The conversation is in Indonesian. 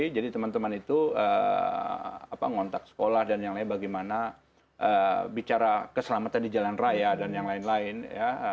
jadi teman teman itu ngontak sekolah dan yang lain bagaimana bicara keselamatan di jalan raya dan yang lain lain ya